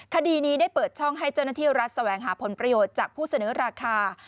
คดีนี้ได้เปิดช่องให้เจ้าหน้าที่รัฐแสวงหาผลประโยชน์จากผู้เสนอราคา